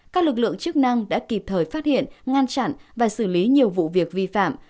các lực lượng chức năng đã kịp thời phát hiện ngăn chặn và xử lý nhiều vụ việc vi phạm